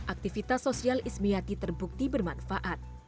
aktivitas sosial ismi yati terbukti bermanfaat